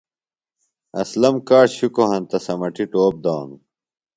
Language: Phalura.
اسلم کاڇ شکو ہینتہ سمٹی ٹوپ دانو ۔